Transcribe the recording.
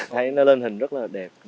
thấy nó lên hình rất là đẹp